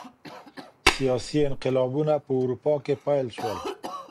سیاسي انقلابونه په اروپا کي پیل سول.